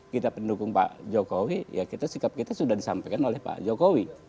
kita pendukung pak jokowi ya kita sikap kita sudah disampaikan oleh pak jokowi